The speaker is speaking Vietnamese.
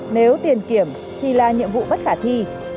nếu tiền kiểm thì là nhiệm vụ bất khả thi